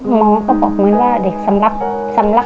หมาวะก็บอกเหมือนเด็กสำลัก